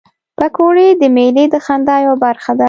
پکورې د میلې د خندا یوه برخه ده